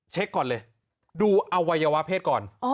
ก่อนเลยดูอวัยวะเพศก่อน